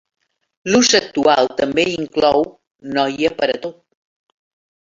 L'ús actual també inclou "noia per a tot".